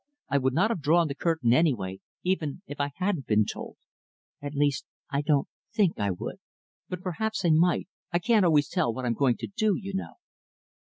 I would not have drawn the curtain anyway, even if I hadn't been told. At least, I don't think I would but perhaps I might I can't always tell what I'm going to do, you know."